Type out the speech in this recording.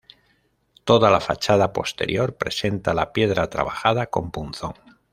Toda la fachada posterior presenta la piedra trabajada con punzón.